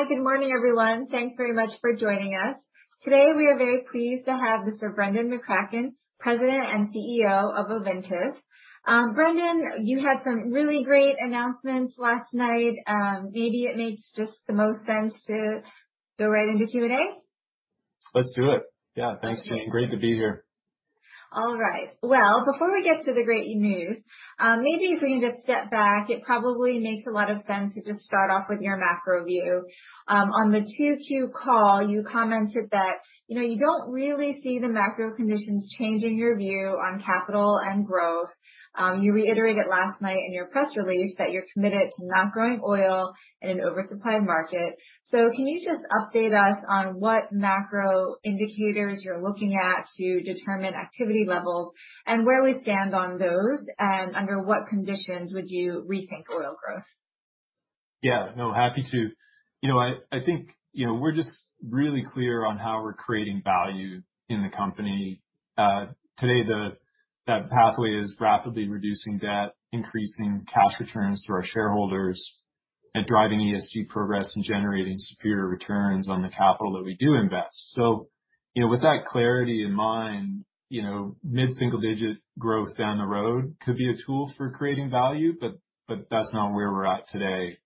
Hi. Good morning, everyone. Thanks very much for joining us. Today, we are very pleased to have Mr. Brendan McCracken, President and CEO of Ovintiv. Brendan, you had some really great announcements last night. Maybe it makes just the most sense to go right into Q&A? Let's do it. Yeah. Thanks, Jeanine. Great to be here. All right. Well, before we get to the great news, maybe if we can just step back, it probably makes a lot of sense to just start off with your macro view. On the 2Q call, you commented that you don't really see the macro conditions changing your view on capital and growth. You reiterated last night in your press release that you're committed to not growing oil in an oversupply market. Can you just update us on what macro indicators you're looking at to determine activity levels, and where we stand on those, and under what conditions would you rethink oil growth? Yeah. No, happy to. I think we're just really clear on how we're creating value in the company. Today, that pathway is rapidly reducing debt, increasing cash returns to our shareholders, and driving ESG progress in generating superior returns on the capital that we do invest. With that clarity in mind, mid-single digit growth down the road could be a tool for creating value, but that's not where we're at today.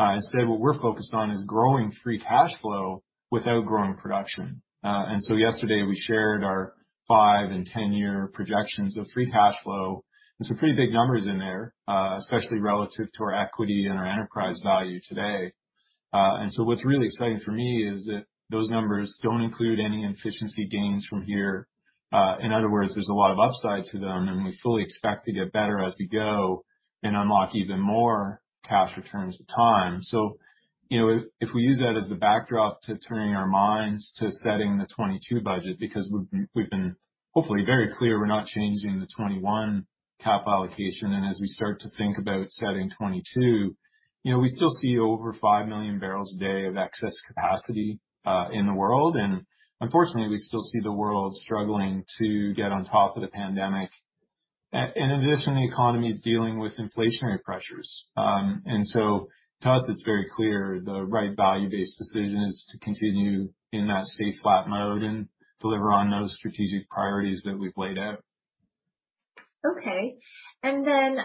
Instead, what we're focused on is growing free cash flow without growing production. Yesterday, we shared our five and 10-year projections of free cash flow, and some pretty big numbers in there, especially relative to our equity and our enterprise value today. What's really exciting for me is that those numbers don't include any efficiency gains from here. In other words, there's a lot of upside to them, and we fully expect to get better as we go and unlock even more cash returns to time. If we use that as the backdrop to turning our minds to setting the 2022 budget, because we've been, hopefully, very clear we're not changing the 2021 cap allocation. As we start to think about setting 2022, we still see over 5 million bbl a day of excess capacity in the world. Unfortunately, we still see the world struggling to get on top of the pandemic. In addition, the economy's dealing with inflationary pressures. To us, it's very clear the right value-based decision is to continue in that safe flat mode and deliver on those strategic priorities that we've laid out. Okay. Then,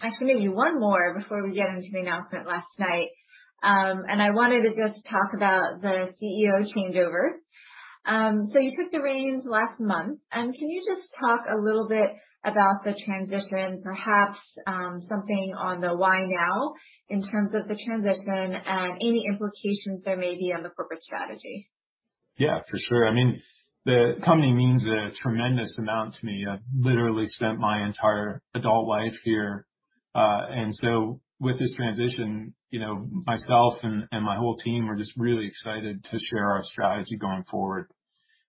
actually, maybe one more before we get into the announcement last night. I wanted to just talk about the CEO changeover. You took the reins last month, and can you just talk a little bit about the transition, perhaps, something on the why now in terms of the transition and any implications there may be on the corporate strategy? For sure. The company means a tremendous amount to me. I've literally spent my entire adult life here. With this transition, myself and my whole team, we're just really excited to share our strategy going forward.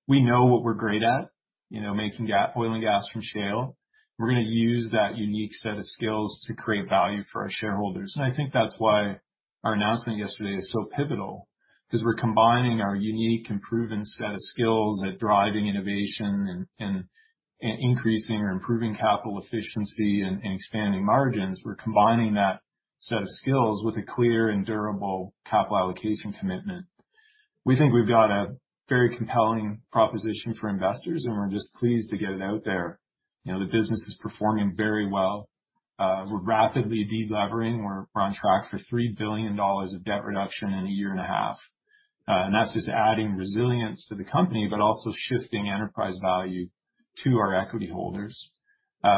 We know what we're great at, making oil and gas from shale. We're going to use that unique set of skills to create value for our shareholders. I think that's why our announcement yesterday is so pivotal, because we're combining our unique and proven set of skills at driving innovation and increasing or improving capital efficiency and expanding margins. We're combining that set of skills with a clear and durable capital allocation commitment. We think we've got a very compelling proposition for investors, and we're just pleased to get it out there. The business is performing very well. We're rapidly de-levering. We're on track for $3 billion of debt reduction in a year and a half. That's just adding resilience to the company, but also shifting enterprise value to our equity holders.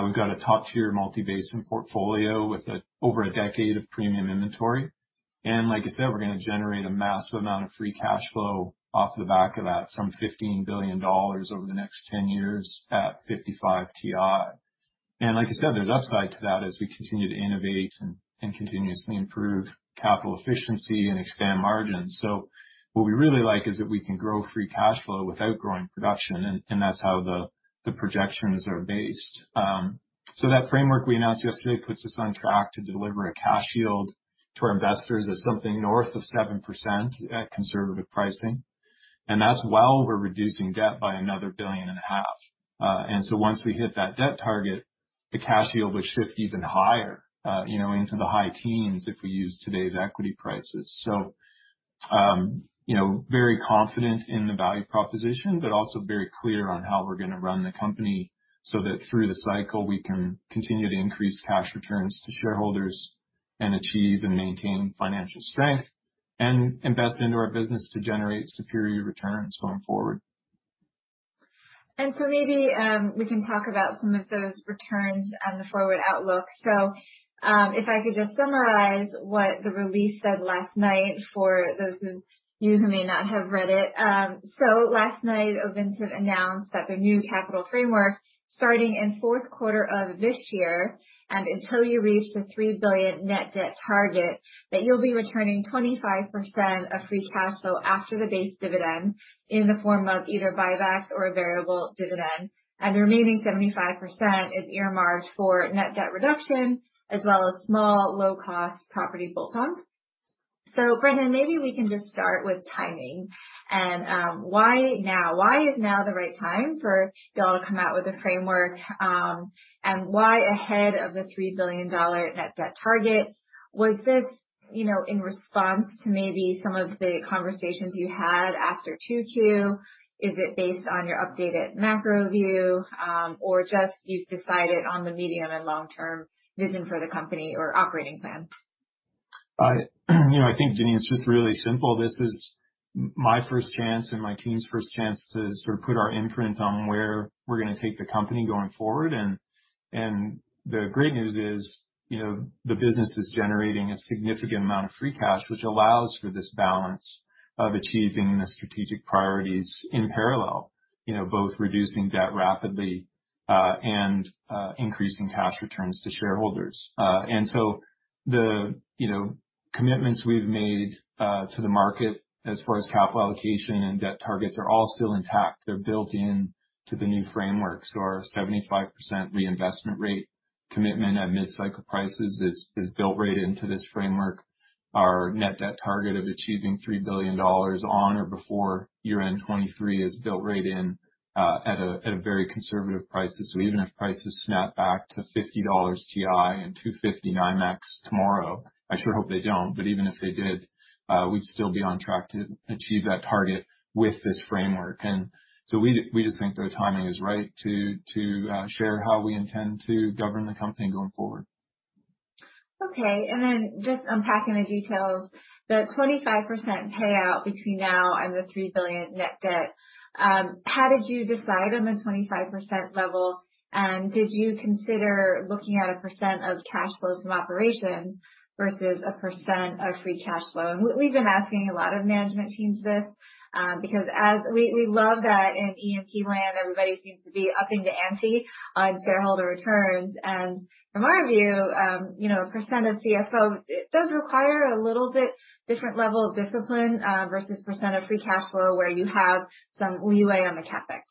We've got a top-tier multi-basin portfolio with over a decade of premium inventory. Like I said, we're going to generate a massive amount of free cash flow off the back of that, some $15 billion over the next 10 years at $55 WTI. Like I said, there's upside to that as we continue to innovate and continuously improve capital efficiency and expand margins. What we really like is that we can grow free cash flow without growing production, and that's how the projections are based. That framework we announced yesterday puts us on track to deliver a cash yield to our investors of something north of 7% at conservative pricing. That's while we're reducing debt by another $1.5 billion. Once we hit that debt target, the cash yield would shift even higher, into the high teens if we use today's equity prices. Very confident in the value proposition, but also very clear on how we're going to run the company so that through the cycle, we can continue to increase cash returns to shareholders and achieve and maintain financial strength and invest into our business to generate superior returns going forward. Maybe, we can talk about some of those returns and the forward outlook. If I could just summarize what the release said last night for those of you who may not have read it. Last night, Ovintiv announced that their new capital framework starting in fourth quarter of this year, and until you reach the $3 billion net debt target, that you'll be returning 25% of free cash flow after the base dividend in the form of either buybacks or a variable dividend. The remaining 75% is earmarked for net debt reduction, as well as small, low-cost property bolt-ons. Brendan, maybe we can just start with timing and why now? Why is now the right time for ya'll to come up with a framework? Why ahead of the $3 billion net debt target? Was this in response to maybe some of the conversations you had after 2Q? Is it based on your updated macro view, or just you've decided on the medium and long-term vision for the company or operating plan? I think, Jeanine, it's just really simple. This is my first chance and my team's first chance to sort of put our imprint on where we're going to take the company going forward. The great news is the business is generating a significant amount of free cash, which allows for this balance of achieving the strategic priorities in parallel, both reducing debt rapidly, and increasing cash returns to shareholders. The commitments we've made to the market as far as capital allocation and debt targets are all still intact. They're built in to the new framework. Our 75% reinvestment rate commitment at mid-cycle prices is built right into this framework. Our net debt target of achieving $3 billion on or before year-end 2023 is built right in at a very conservative prices. Even if prices snap back to $50 WTI and $2.50 NYMEX tomorrow, I sure hope they don't, but even if they did, we'd still be on track to achieve that target with this framework. We just think the timing is right to share how we intend to govern the company going forward. Okay, just unpacking the details, the 25% payout between now and the $3 billion net debt, how did you decide on the 25% level? Did you consider looking at a percent of cash flows from operations versus a percent of free cash flow? We've been asking a lot of management teams this, because as we love that in E&P land, everybody seems to be upping the ante on shareholder returns. From our view, percent of CFO, it does require a little bit different level of discipline, versus percent of free cash flow, where you have some leeway on the CapEx.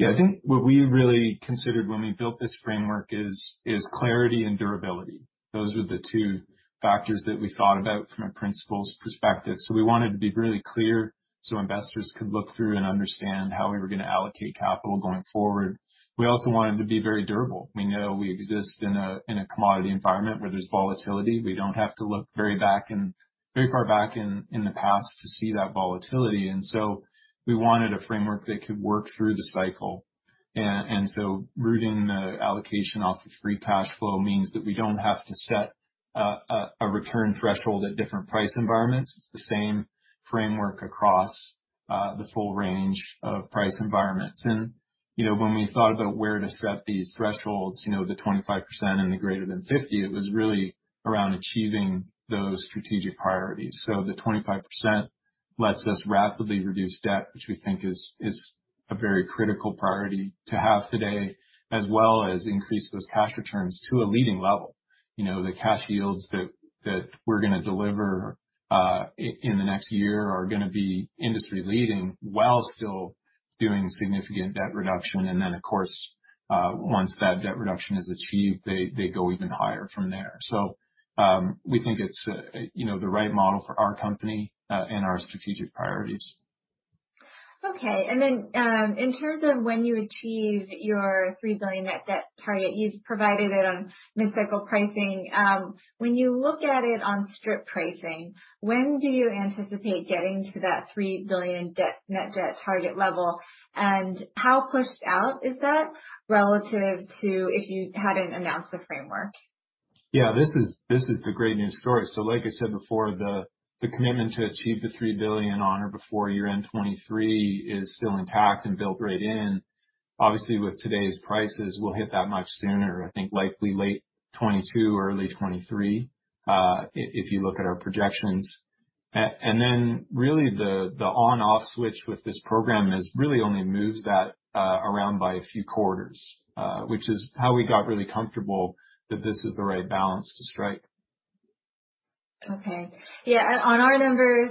Yeah, I think what we really considered when we built this framework is clarity and durability. Those were the two factors that we thought about from a principles perspective. We wanted to be really clear so investors could look through and understand how we were going to allocate capital going forward. We also wanted to be very durable. We know we exist in a commodity environment where there's volatility. We don't have to look very far back in the past to see that volatility. We wanted a framework that could work through the cycle. Rooting the allocation off of free cash flow means that we don't have to set a return threshold at different price environments. It's the same framework across the full range of price environments. When we thought about where to set these thresholds, the 25% and the greater than 50%, it was really around achieving those strategic priorities. The 25% lets us rapidly reduce debt, which we think is a very critical priority to have today, as well as increase those cash returns to a leading level. The cash yields that we're going to deliver in the next year are going to be industry leading while still doing significant debt reduction. Of course, once that debt reduction is achieved, they go even higher from there. We think it's the right model for our company, and our strategic priorities. Okay. In terms of when you achieve your $3 billion net debt target, you've provided it on mid-cycle pricing. When you look at it on strip pricing, when do you anticipate getting to that $3 billion net debt target level, and how pushed out is that relative to if you hadn't announced the framework? Yeah. This is the great news story. Like I said before, the commitment to achieve the $3 billion on or before year-end 2023 is still intact and built right in. Obviously, with today's prices, we'll hit that much sooner. I think likely late 2022 or early 2023, if you look at our projections. Really the on/off switch with this program has really only moved that around by a few quarters, which is how we got really comfortable that this is the right balance to strike. Okay. Yeah. On our numbers,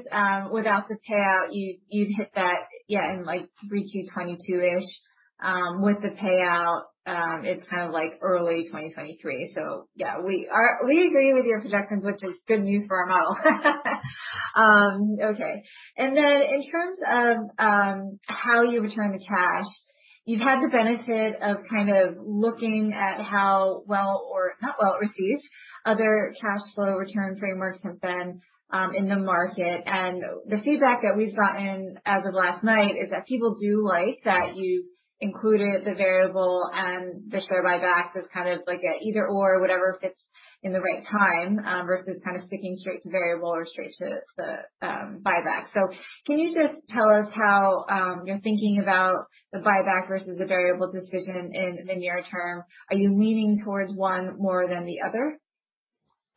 without the payout, you'd hit that in like 3Q 2022-ish. With the payout, it's kind of like early 2023. Yeah, we agree with your projections, which is good news for our model. Okay. Then in terms of how you return the cash, you've had the benefit of kind of looking at how well or not well received other cash flow return frameworks have been in the market. The feedback that we've gotten as of last night is that people do like that you've included the variable and the share buybacks as kind of like a either/or, whatever fits in the right time, versus kind of sticking straight to variable or straight to the buyback. Can you just tell us how you're thinking about the buyback versus the variable decision in the near term? Are you leaning towards one more than the other?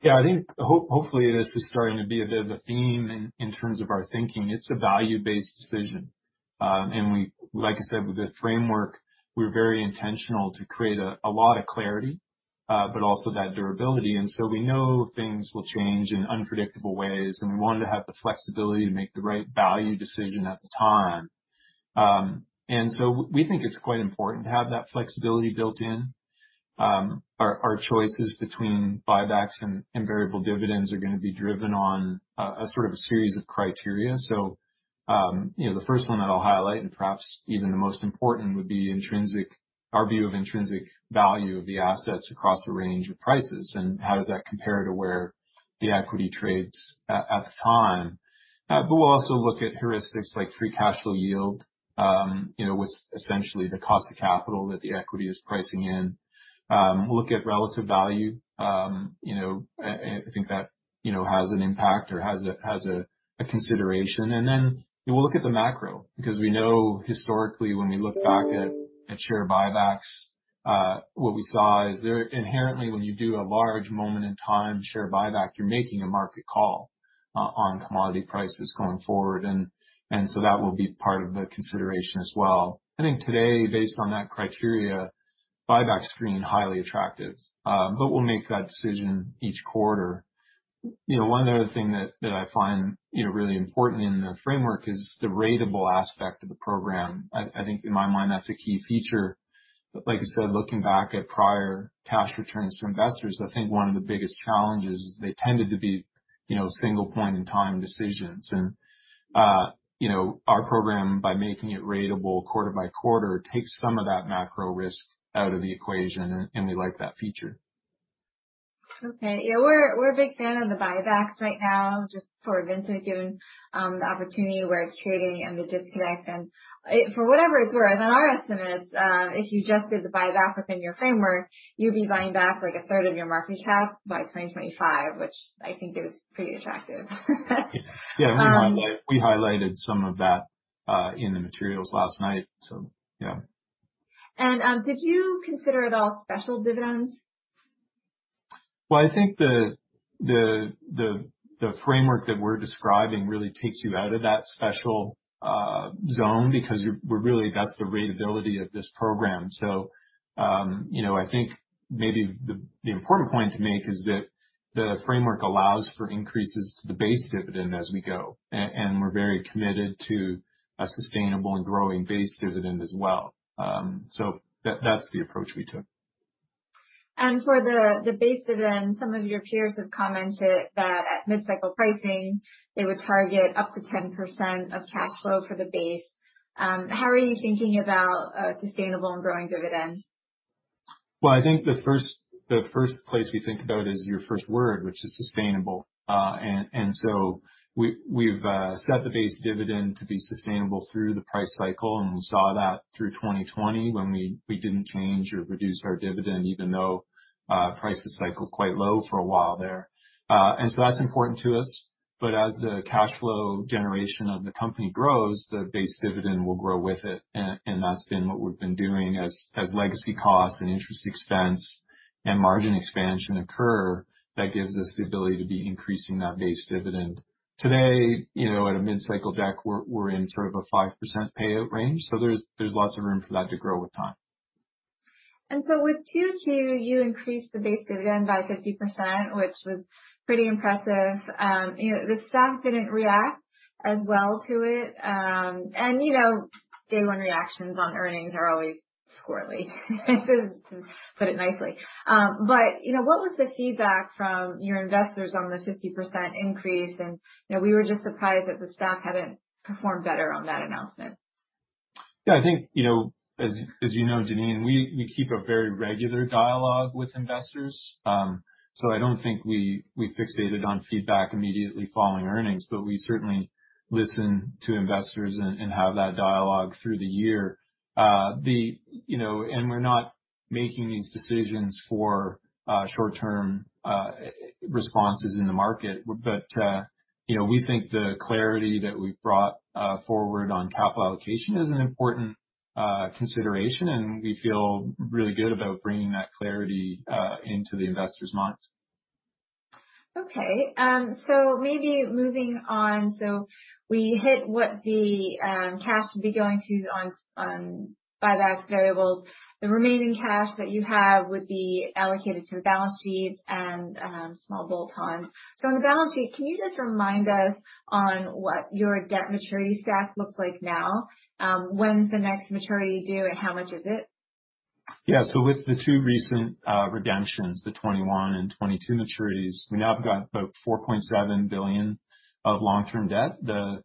Yeah, I think hopefully this is starting to be a bit of a theme in terms of our thinking. It's a value-based decision. Like I said, with the framework, we're very intentional to create a lot of clarity, but also that durability. We know things will change in unpredictable ways, and we wanted to have the flexibility to make the right value decision at the time. We think it's quite important to have that flexibility built in. Our choices between buybacks and variable dividends are going to be driven on a sort of a series of criteria. The first one that I'll highlight, and perhaps even the most important, would be our view of intrinsic value of the assets across a range of prices, and how does that compare to where the equity trades at the time. We'll also look at heuristics like free cash flow yield, what's essentially the cost of capital that the equity is pricing in. We'll look at relative value. I think that has an impact or has a consideration. We'll look at the macro, because we know historically, when we look back at share buybacks, what we saw is inherently when you do a large moment in time share buyback, you're making a market call on commodity prices going forward. That will be part of the consideration as well. I think today, based on that criteria, buybacks seem highly attractive. We'll make that decision each quarter. One other thing that I find really important in the framework is the ratable aspect of the program. I think in my mind, that's a key feature. Like I said, looking back at prior cash returns to investors, I think one of the biggest challenges is they tended to be single point in time decisions. Our program, by making it ratable quarter-by-quarter, takes some of that macro risk out of the equation, and we like that feature. Okay. Yeah, we're a big fan of the buybacks right now, just for Ovintiv, given the opportunity where it's trading and the disconnect. For whatever it's worth, on our estimates, if you just did the buyback within your framework, you'd be buying back a 1/3 of your market cap by 2025, which I think is pretty attractive. Yeah. We highlighted some of that in the materials last night. Yeah. Did you consider at all special dividends? Well, I think the framework that we're describing really takes you out of that special zone, because really, that's the ratability of this program. I think maybe the important point to make is that the framework allows for increases to the base dividend as we go. We're very committed to a sustainable and growing base dividend as well. That's the approach we took. For the base dividend, some of your peers have commented that at mid-cycle pricing, they would target up to 10% of cash flow for the base. How are you thinking about a sustainable and growing dividend? Well, I think the first place we think about is your first word, which is sustainable. We've set the base dividend to be sustainable through the price cycle, and we saw that through 2020 when we didn't change or reduce our dividend, even though prices cycled quite low for a while there. That's important to us. As the cash flow generation of the company grows, the base dividend will grow with it, and that's been what we've been doing as legacy cost and interest expense and margin expansion occur, that gives us the ability to be increasing that base dividend. Today, at a mid-cycle deck, we're in sort of a 5% payout range, so there's lots of room for that to grow with time. With 2Q, you increased the base dividend by 50%, which was pretty impressive. The stock didn't react as well to it. Day one reactions on earnings are always squirrely, to put it nicely. What was the feedback from your investors on the 50% increase? We were just surprised that the stock hadn't performed better on that announcement. Yeah. I think, as you know, Jeanine, we keep a very regular dialogue with investors. I don't think we fixated on feedback immediately following earnings, but we certainly listen to investors and have that dialogue through the year. We're not making these decisions for short-term responses in the market. We think the clarity that we've brought forward on capital allocation is an important consideration, and we feel really good about bringing that clarity into the investors' minds. Okay. Maybe moving on. We hit what the cash would be going to on buybacks variables. The remaining cash that you have would be allocated to the balance sheet and small bolt-ons. On the balance sheet, can you just remind us on what your debt maturity stack looks like now? When's the next maturity due, and how much is it? Yeah. With the two recent redemptions, the 2021 and 2022 maturities, we now have got about $4.7 billion of long-term debt. The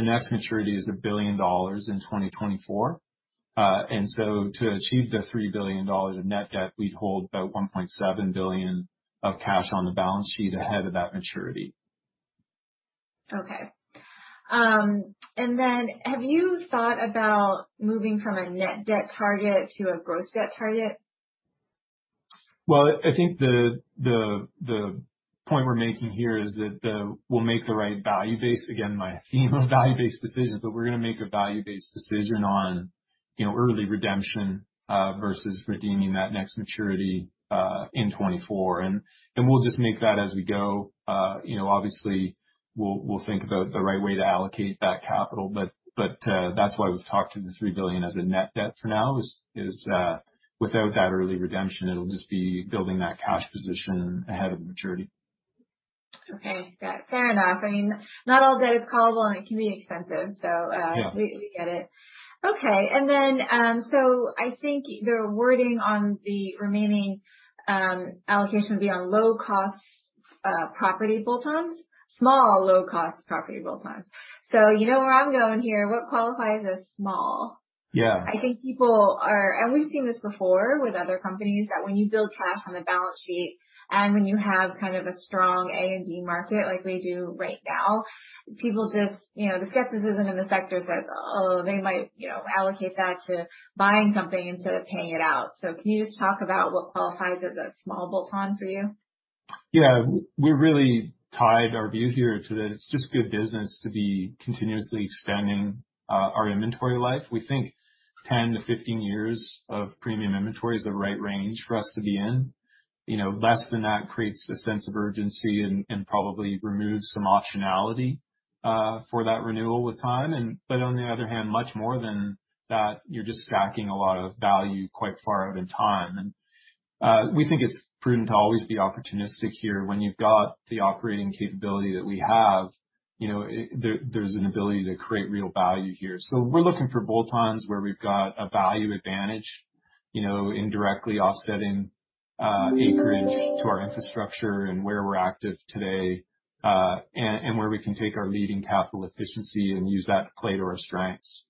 next maturity is $1 billion in 2024. To achieve the $3 billion of net debt, we'd hold about $1.7 billion of cash on the balance sheet ahead of that maturity. Okay. Have you thought about moving from a net debt target to a gross debt target? Well, I think the point we're making here is that we'll make the right value-based, again, my theme of value-based decisions, but we're going to make a value-based decision on early redemption versus redeeming that next maturity in 2024. We'll just make that as we go. Obviously, we'll think about the right way to allocate that capital. That's why we've talked to the $3 billion as a net debt for now, is without that early redemption, it'll just be building that cash position ahead of maturity. Okay. Fair enough. Not all debt is callable, and it can be expensive. Yeah. We get it. Okay. I think the wording on the remaining allocation would be on low-cost property bolt-ons, small low-cost property bolt-ons. You know where I'm going here. What qualifies as small? Yeah. I think people are, and we've seen this before with other companies, that when you build cash on the balance sheet, and when you have kind of a strong A&D market like we do right now, the skepticism in the sector says, "Oh, they might allocate that to buying something instead of paying it out." Can you just talk about what qualifies as a small bolt-on for you? Yeah. We really tied our view here to that it's just good business to be continuously extending our inventory life. We think 10-15 years of premium inventory is the right range for us to be in. Less than that creates a sense of urgency and probably removes some optionality for that renewal with time. On the other hand, much more than that, you're just stacking a lot of value quite far out in time. We think it's prudent to always be opportunistic here. When you've got the operating capability that we have, there's an ability to create real value here. We're looking for bolt-ons where we've got a value advantage, indirectly offsetting acreage to our infrastructure and where we're active today, and where we can take our leading capital efficiency and use that to play to our strengths.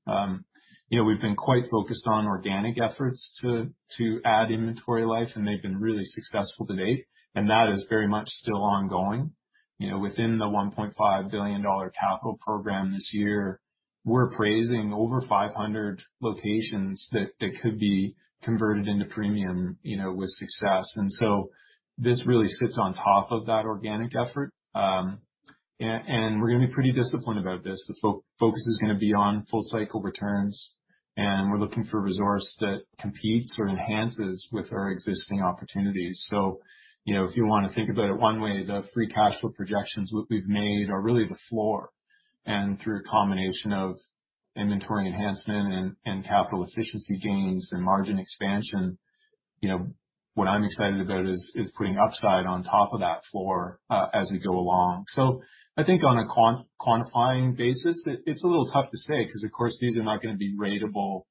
We've been quite focused on organic efforts to add inventory life, and they've been really successful to date, and that is very much still ongoing. Within the $1.5 billion capital program this year, we're appraising over 500 locations that could be converted into premium with success. This really sits on top of that organic effort. We're going to be pretty disciplined about this. The focus is going to be on full cycle returns, and we're looking for resource that competes or enhances with our existing opportunities. If you want to think about it one way, the free cash flow projections that we've made are really the floor. Through a combination of inventory enhancement and capital efficiency gains and margin expansion, what I'm excited about is putting upside on top of that floor as we go along. I think on a quantifying basis, it's a little tough to say because, of course, these are not going to be ratable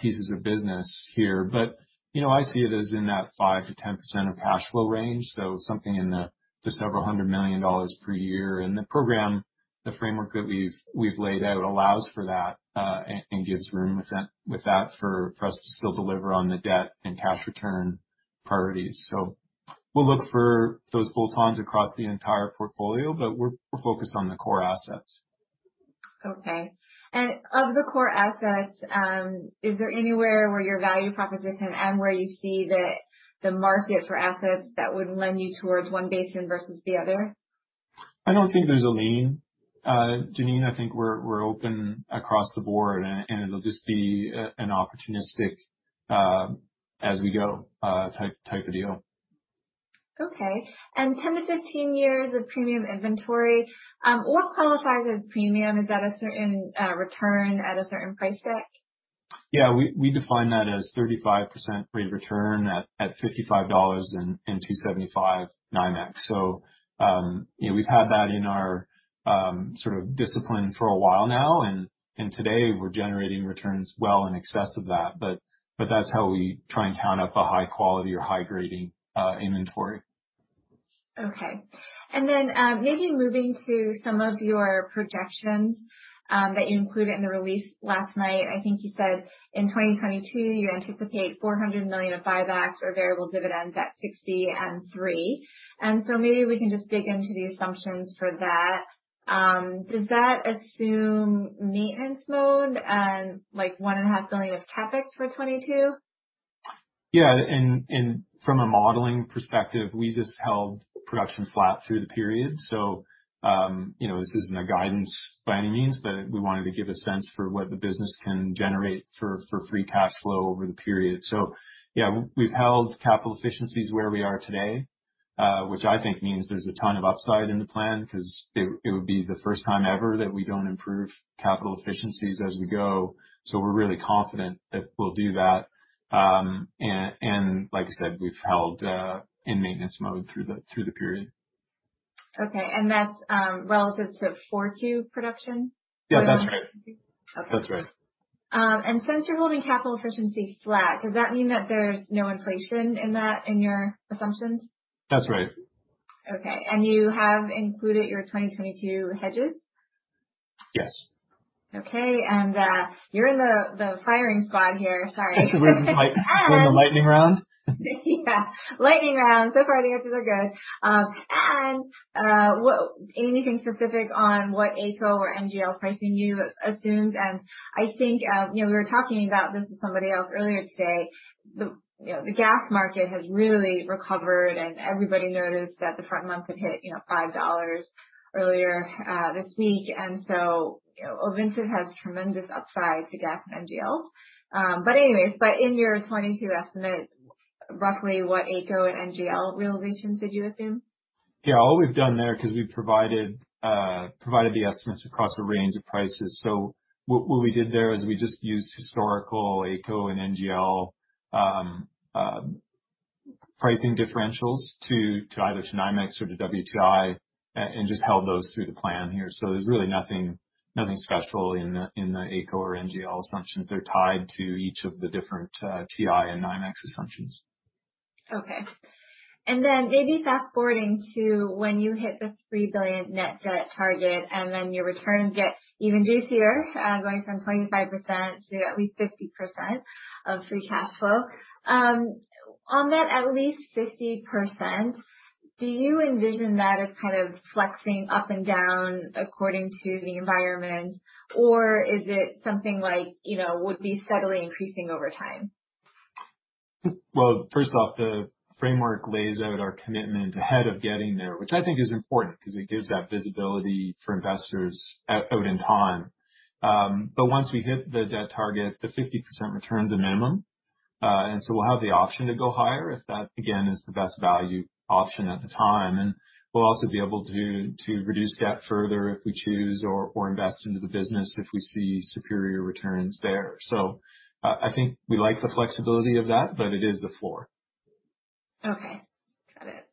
pieces of business here. I see it as in that 5%-10% of cash flow range, so something in the several hundred million dollars per year. The program, the framework that we've laid out allows for that and gives room with that for us to still deliver on the debt and cash return priorities. We'll look for those bolt-ons across the entire portfolio, but we're focused on the core assets. Okay. Of the core assets, is there anywhere where your value proposition and where you see that the market for assets that would lend you towards one basin versus the other? I don't think there's a lean, Jeanine. I think we're open across the board, and it'll just be an opportunistic as we go type of deal. Okay. 10-15 years of premium inventory, what qualifies as premium? Is that a certain return at a certain price check? Yeah. We define that as 35% rate of return at $55 and $2.75 NYMEX. We've had that in our sort of discipline for a while now, and today we're generating returns well in excess of that. That's how we try and count up a high quality or high grading inventory. Okay. Maybe moving to some of your projections that you included in the release last night. I think you said in 2022, you anticipate $400 million of buybacks or variable dividends at $60 and $3. Maybe we can just dig into the assumptions for that. Does that assume maintenance mode and like $1.5 billion of CapEx for 2022? Yeah. From a modeling perspective, we just held production flat through the period. This isn't a guidance by any means, but we wanted to give a sense for what the business can generate for free cash flow over the period. Yeah, we've held capital efficiencies where we are today, which I think means there's a ton of upside in the plan because it would be the first time ever that we don't improve capital efficiencies as we go. We're really confident that we'll do that. Like I said, we've held in maintenance mode through the period. Okay, and that's relative to 4Q production? Yeah, that's right. Okay. That's right. Since you're holding capital efficiency flat, does that mean that there's no inflation in your assumptions? That's right. Okay. You have included your 2022 hedges? Yes. Okay. You're in the firing squad here. Sorry. We're in the lightning round? Yeah. Lightning round. So far, the answers are good. Anything specific on what AECO or NGL pricing you assumed? I think we were talking about this with somebody else earlier today, the gas market has really recovered, and everybody noticed that the front month had hit $5 earlier this week. Ovintiv has tremendous upside to gas and NGLs. Anyways, but in your 2022 estimate, roughly what AECO and NGL realizations did you assume? Yeah. All we've done there, because we provided the estimates across a range of prices. What we did there is we just used historical AECO and NGL pricing differentials to either to NYMEX or to WTI. Just held those through the plan here. There's really nothing special in the AECO or NGL assumptions. They're tied to each of the different WTI and NYMEX assumptions. Okay. Maybe fast-forwarding to when you hit the $3 billion net debt target and then your returns get even juicier, going from 25% to at least 50% of free cash flow. On that at least 50%, do you envision that as kind of flexing up and down according to the environment, or is it something like would be steadily increasing over time? First off, the framework lays out our commitment ahead of getting there, which I think is important because it gives that visibility for investors out in time. Once we hit the debt target, the 50% return is a minimum. We'll have the option to go higher if that, again, is the best value option at the time. We'll also be able to reduce debt further if we choose or invest into the business if we see superior returns there. I think we like the flexibility of that, but it is the floor. Okay. Got it.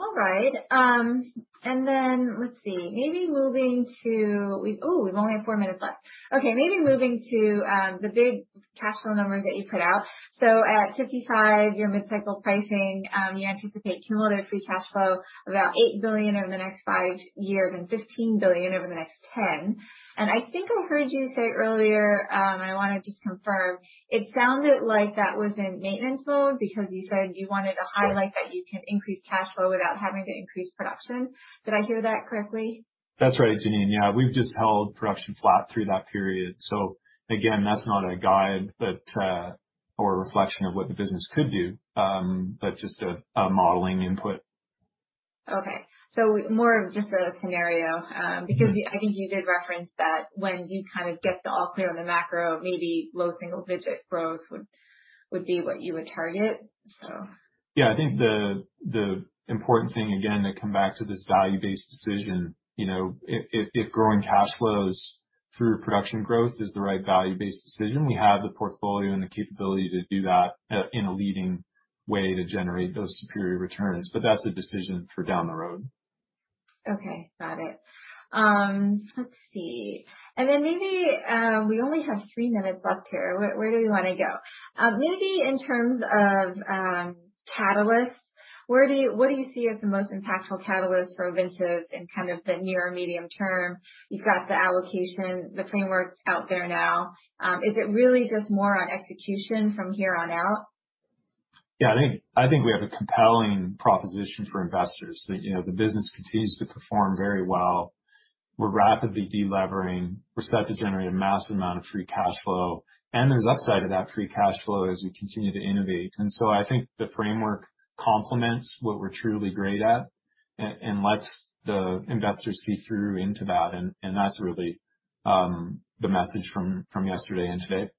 All right. Let's see, maybe moving to, oh, we've only have four minutes left. Okay, maybe moving to the big cash flow numbers that you put out. At $55, your mid-cycle pricing, you anticipate cumulative free cash flow about $8 billion over the next five years and $15 billion over the next 10. I think I heard you say earlier, and I want to just confirm, it sounded like that was in maintenance mode because you said you wanted to highlight that you can increase cash flow without having to increase production. Did I hear that correctly? That's right, Jeanine. Yeah. We've just held production flat through that period. Again, that's not a guide or a reflection of what the business could do, but just a modeling input. Okay. More of just a scenario. I think you did reference that when you kind of get the all clear on the macro, maybe low single-digit growth would be what you would target. Yeah. I think the important thing, again, to come back to this value-based decision, if growing cash flows through production growth is the right value-based decision, we have the portfolio and the capability to do that in a leading way to generate those superior returns. That's a decision for down the road. Okay. Got it. Let's see. Then maybe, we only have three minutes left here. Where do we want to go? Maybe in terms of catalysts, what do you see as the most impactful catalyst for Ovintiv in kind of the near or medium term? You've got the allocation, the framework out there now. Is it really just more on execution from here on out? Yeah. I think we have a compelling proposition for investors that the business continues to perform very well. We're rapidly de-levering. We're set to generate a massive amount of free cash flow, and there's upside to that free cash flow as we continue to innovate. I think the framework complements what we're truly great at and lets the investors see through into that. That's really the message from yesterday and today.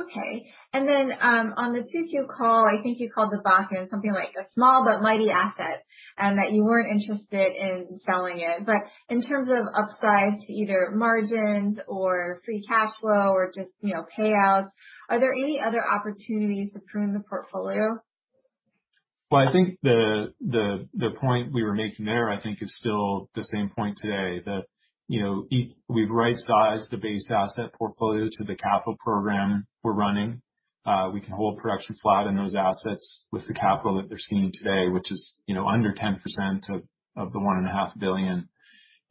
Okay. Then, on the 2Q call, I think you called the Bakken something like a small but mighty asset, and that you weren't interested in selling it. In terms of upsides to either margins or free cash flow or just payouts, are there any other opportunities to prune the portfolio? Well, I think the point we were making there, I think is still the same point today, that we've right-sized the base asset portfolio to the capital program we're running. We can hold production flat in those assets with the capital that they're seeing today, which is under 10% of the $1.5 billion.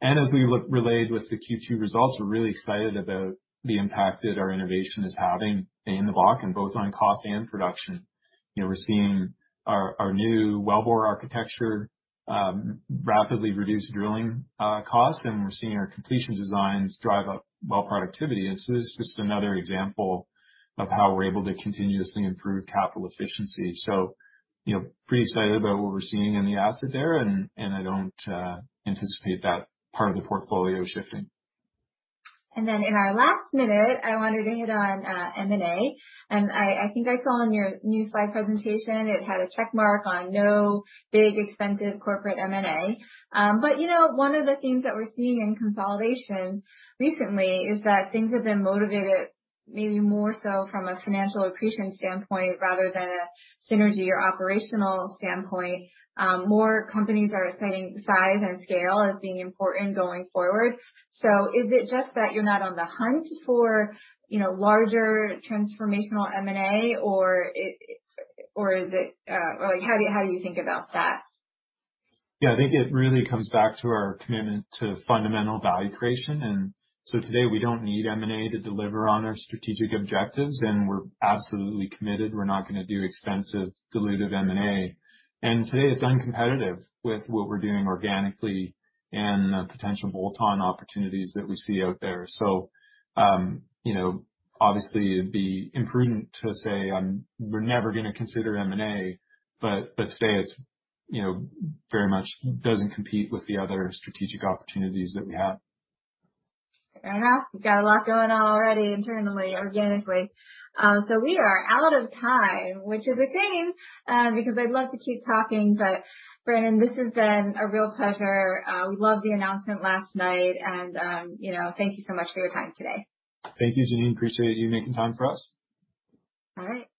As we relayed with the Q2 results, we're really excited about the impact that our innovation is having in the Bakken, both on cost and production. We're seeing our new wellbore architecture rapidly reduce drilling costs, and we're seeing our completion designs drive up well productivity. This is just another example of how we're able to continuously improve capital efficiency. Pretty excited about what we're seeing in the asset there, and I don't anticipate that part of the portfolio shifting. Then in our last minute, I wanted to hit on M&A. I think I saw on your new slide presentation it had a check mark on no big expensive corporate M&A. One of the themes that we're seeing in consolidation recently is that things have been motivated maybe more so from a financial accretion standpoint rather than a synergy or operational standpoint. More companies are citing size and scale as being important going forward. Is it just that you're not on the hunt for larger transformational M&A, or how do you think about that? Yeah. I think it really comes back to our commitment to fundamental value creation. Today, we don't need M&A to deliver on our strategic objectives, and we're absolutely committed. We're not going to do expensive, dilutive M&A. Today it's uncompetitive with what we're doing organically and potential bolt-on opportunities that we see out there. Obviously it'd be imprudent to say we're never going to consider M&A, but today it very much doesn't compete with the other strategic opportunities that we have. You've got a lot going on already internally, organically. We are out of time, which is a shame, because I'd love to keep talking. Brendan, this has been a real pleasure. We loved the announcement last night and thank you so much for your time today. Thank you, Jeanine. Appreciate you making time for us. All right.